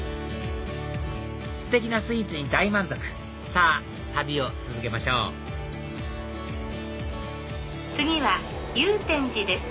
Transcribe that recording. ステキなスイーツに大満足さぁ旅を続けましょう次は祐天寺です。